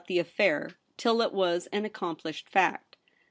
the affair till it was an accomplished fact.